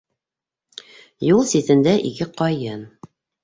Юл ситендә - ике ҡайын.